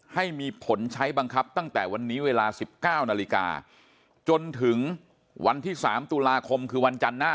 ให้มีผลใช้บังคับตั้งแต่วันนี้เวลา๑๙นาฬิกาจนถึงวันที่๓ตุลาคมคือวันจันทร์หน้า